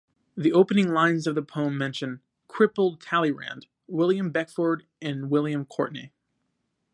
The opening lines of the poem mention "crippled Talleyrand", William Beckford and William Courtenay.